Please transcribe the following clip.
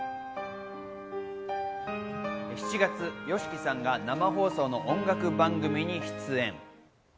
７月、ＹＯＳＨＩＫＩさんが生放送の音楽番組に出演。